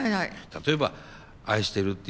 例えば「愛してる」っていうね。